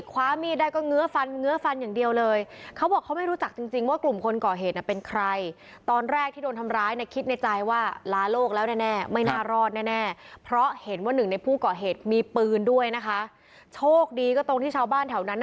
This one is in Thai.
ความมีดังก็เหงือฟันเหงือฟันอย่างเดียวเลย